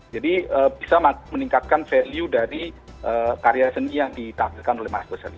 jadi bisa meningkatkan value dari karya seni yang ditampilkan oleh mas ghazali